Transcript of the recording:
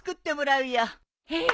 えっ！？